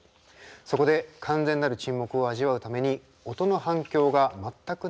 そこで完全なる沈黙を味わうために音の反響が全くない無響室に入ります。